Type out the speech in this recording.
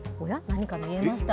何か見えました。